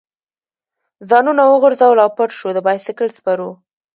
ځانونه وغورځول او پټ شو، د بایسکل سپرو.